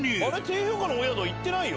低評価のお宿行ってないよ。